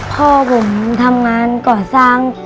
พ่อผมทำงานก่อนสัง